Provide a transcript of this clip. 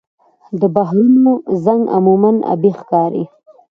د بحرونو رنګ عموماً آبي ښکاري.